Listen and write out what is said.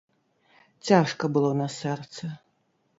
Цяжка было на сэрцы.